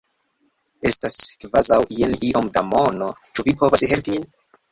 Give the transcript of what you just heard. Estas kvazaŭ jen iom da mono ĉu vi povas helpi min?